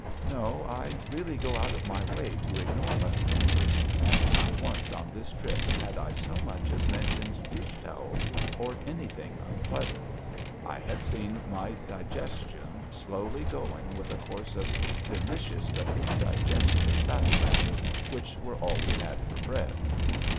No; I really go out of my way to ignore the left overs, and not once on this trip had I so much as mentioned dish towels or anything unpleasant. I had seen my digestion slowly going with a course of delicious but indigestible saddle bags, which were all we had for bread.